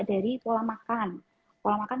dari pola makan pola makan